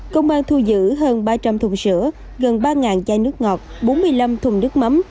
công an thu giữ hơn ba trăm linh thùng sữa gần ba chai nước ngọt bốn mươi năm thùng nước mắm